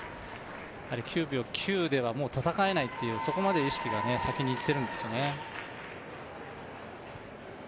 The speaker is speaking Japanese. やはり９秒９ではもう戦えないっていう、そこまで意識が先にいってるんですよね。